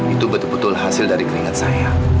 itu betul betul hasil dari keringat saya